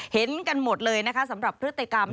เห็นกันหมดเลยนะคะสำหรับพฤติกรรม